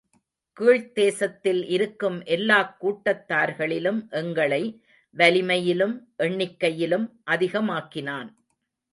கீழ்த்தேசத்தில் இருக்கும் எல்லாக் கூட்டத்தார்களிலும் எங்களை வலிமையிலும் எண்ணிக்கையிலும் அதிகமாக்கினான்.